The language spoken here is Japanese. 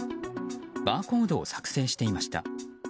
バーコードを作成していました。